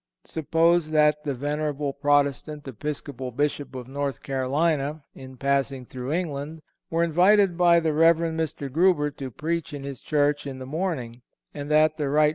(459) Suppose that the venerable Protestant Episcopal Bishop of North Carolina, in passing through England, were invited by the Rev. Mr. Grueber to preach in his church in the morning, and that the Rt.